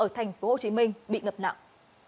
ở tp hcm bị ngập nặng